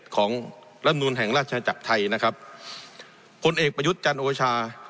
ของรำนูลแห่งราชนาจักรไทยนะครับผลเอกประยุทธ์จันทร์โอชา